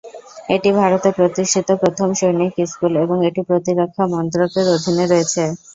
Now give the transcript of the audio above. এটি ভারতে প্রতিষ্ঠিত প্রথম সৈনিক স্কুল এবং এটি প্রতিরক্ষা মন্ত্রকের অধীনে রয়েছে।